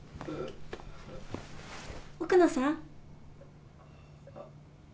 奥野さん。